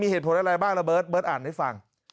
เหตุผลอะไรบ้างระเบิร์ตเบิร์ตอ่านให้ฟัง